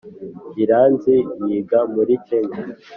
iranzi yiga muri kenya